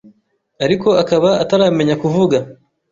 ariko akaba ataramenya kuvuga